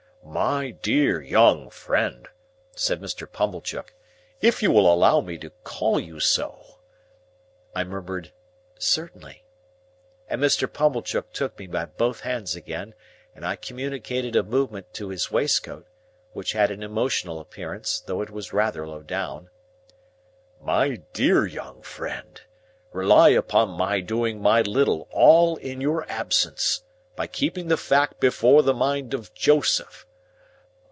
"My dear young friend," said Mr. Pumblechook; "if you will allow me to call you so—" I murmured "Certainly," and Mr. Pumblechook took me by both hands again, and communicated a movement to his waistcoat, which had an emotional appearance, though it was rather low down, "My dear young friend, rely upon my doing my little all in your absence, by keeping the fact before the mind of Joseph.